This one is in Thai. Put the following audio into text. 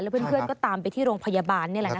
เพื่อนก็ตามไปที่โรงพยาบาลนี่แหละค่ะ